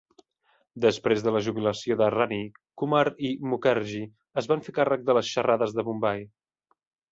Després de la jubilació de Rani, Kumar i Mukherjee es van fer càrrec de les xerrades de Bombai.